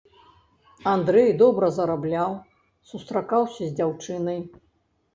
Андрэй добра зарабляў, сустракаўся з дзяўчынай.